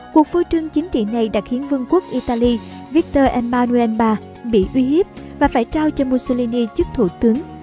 cuộc phô trương chính trị này đã khiến vương quốc italy victor emanuele iii bị uy hiếp và phải trao cho mussolini chức thủ tướng